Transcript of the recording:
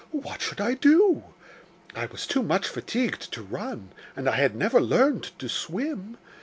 What should I do? I was too much fatigued to run, and I had never learned to swim.